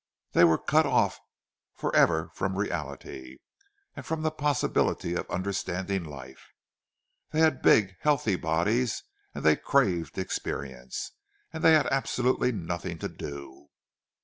They were cut off for ever from reality, and from the possibility of understanding life; they had big, healthy bodies, and they craved experience—and they had absolutely nothing to do.